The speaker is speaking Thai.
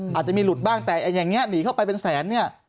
อาจจะมีหลุดบ้างแต่อย่างนี้หนีเข้าไปเป็นแสนเนี่ย